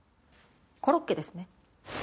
コロッケですね。